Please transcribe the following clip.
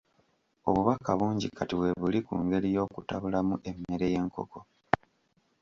Obubaka bungi kati weebuli ku ngeri y'okutabulamu emmere y'enkoko.